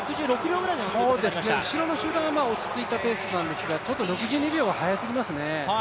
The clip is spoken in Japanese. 後ろの集団が落ち着いたペースなんですが６２秒は速すぎますね。